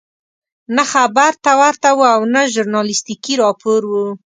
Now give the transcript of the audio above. نه خبر ته ورته وو او نه ژورنالستیکي راپور وو.